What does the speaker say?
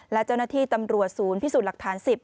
และเจ้าหน้าที่ตำรวจศูนย์พิสูจน์หลักฐาน๑๐